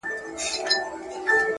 چي یې زړه شي په هغه اور کي سوځېږم!.